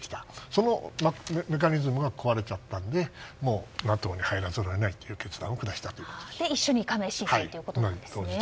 そのメカニズムが壊れちゃったのでＮＡＴＯに入らざるを得ないという決断を下しました。